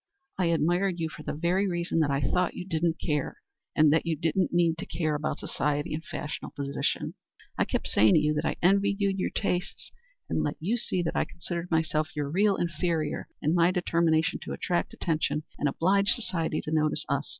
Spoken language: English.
I admired you for the very reason that I thought you didn't care, and that you didn't need to care, about society and fashionable position. I kept saying to you that I envied you your tastes, and let you see that I considered myself your real inferior in my determination to attract attention and oblige society to notice us.